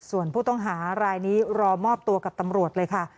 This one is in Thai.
ส่วนผู้ต้องหารายนี้รอมอบตัวกับตำรวจเลยค่ะ